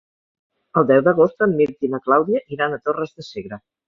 El deu d'agost en Mirt i na Clàudia iran a Torres de Segre.